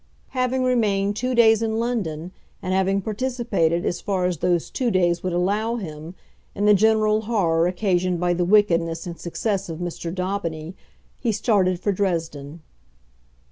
Having remained two days in London, and having participated, as far as those two days would allow him, in the general horror occasioned by the wickedness and success of Mr. Daubeny, he started for Dresden.